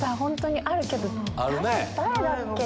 誰だっけ？